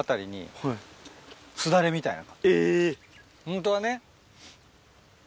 ホントはね。